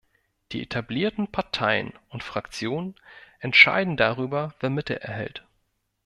Die etablierten Parteien und Fraktionen entscheiden darüber, wer Mittel erhält.